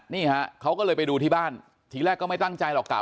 นี่ฮะเขาก็เลยไปดูที่บ้านทีแรกก็ไม่ตั้งใจหรอกกะ